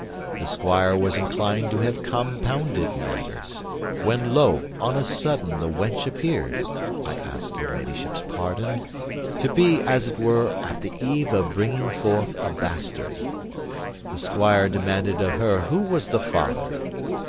The squire was inclined to have compounded matters; when, lo! on a sudden the wench appeared (I ask your ladyship's pardon) to be, as it were, at the eve of bringing forth a bastard. The squire demanded of her who was the father?